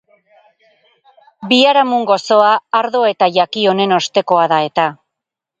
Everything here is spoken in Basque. Biharamun gozoa, ardo eta jaki onen ostekoa da eta.